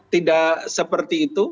tidak seperti itu